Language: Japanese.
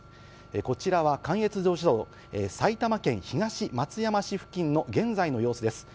こちらは関越自動車道埼玉県東松山市付近の現在の様子です。